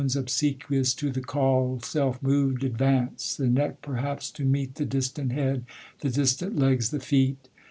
s obsequious to the call, Self mov'd, advance ; the neck perhaps to meet The distant head, the distant legs, the kct.